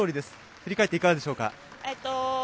振り返っていかがでしょうか。